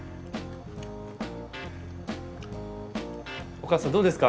お母さんどうですか？